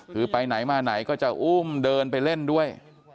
คือไปไหนมาไหนก็จะอุ้มเดินไปเล่นด้วย